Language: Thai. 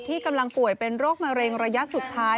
กำลังป่วยเป็นโรคมะเร็งระยะสุดท้าย